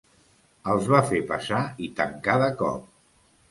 Els va fer passar i tancà de cop.